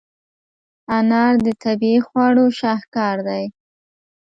انار د طبیعي خواړو شاهکار دی.